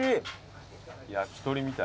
焼き鳥みたい。